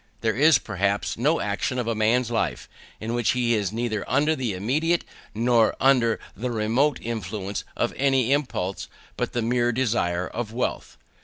There is, perhaps, no action of a man's life in which he is neither under the immediate nor under the remote influence of any impulse but the mere desire of wealth.